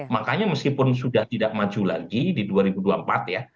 makanya meskipun sudah tidak maju lagi di dua ribu dua puluh empat ya